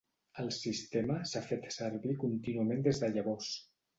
El sistema s'ha fet servir contínuament des de llavors.